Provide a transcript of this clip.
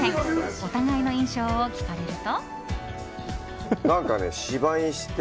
お互いの印象を聞かれると。